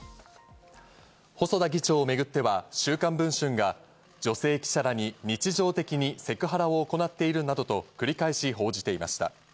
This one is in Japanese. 細田議長をめぐっては『週刊文春』が女性記者らに日常的にセクハラを行っているなどと繰り返し報じていました。